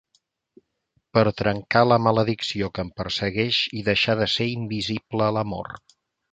Per trencar la maledicció que em persegueix i deixar de ser invisible a l'amor.